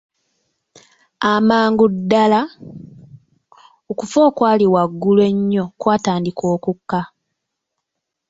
Amangu ddala, okufa okwali waggulu ennyo kwatandika okukka.